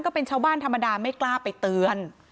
ก็เป็นชาวบ้านธรรมดาไม่กล้าไปเตือน